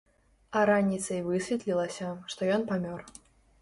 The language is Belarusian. А раніцай высветлілася, што ён памёр.